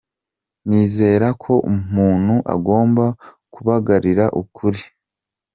Nizera ko umuntu agomba kubagaragariza ukuri.’’